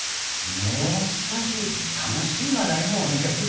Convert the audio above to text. もう少し楽しい話題もお願いします。